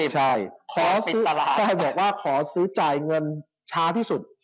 ใช่ขอซื้อจ่ายเงินช้าที่สุด